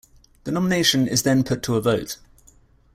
The nomination is then put to a vote.